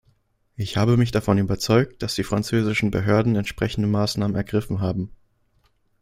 Ich habe mich davon überzeugt, dass die französischen Behörden entsprechende Maßnahmen ergriffen haben.